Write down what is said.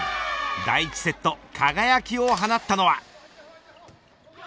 第１セット、輝きを放ったのは。